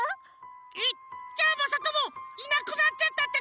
えっじゃあまさともいなくなっちゃったってこと！？